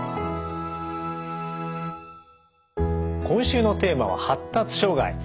今週のテーマは「発達障害」。